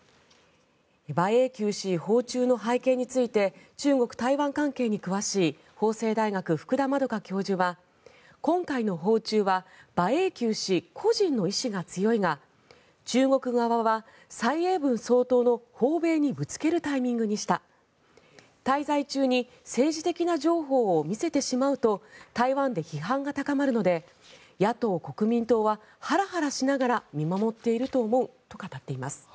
馬英九氏訪中の背景について中国・台湾関係に詳しい法政大学、福田円教授は今回の訪中は馬英九氏、個人の意思が強いが中国側は蔡英文総統の訪米にぶつけるタイミングにした滞在中に政治的な譲歩を見せてしまうと台湾で批判が高まるので野党・国民党はハラハラしながら見守っていると思うと語っています。